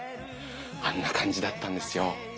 あんなかんじだったんですよ。